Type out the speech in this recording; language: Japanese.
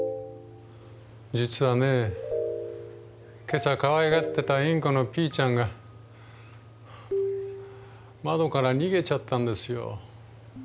実はね今朝かわいがってたインコのピーちゃんが窓から逃げちゃったんですよ。